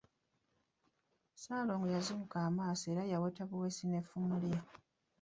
Ssalongo yazibuka amaaso era yaweta buwesi na ffumu lye.